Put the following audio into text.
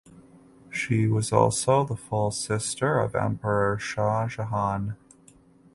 She was also the full sister of Emperor Shah Jahan.